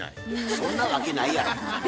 そんなわけないやろほんまに。